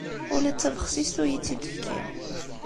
Ula d tabexsist ur iyi-tt-id-tefki.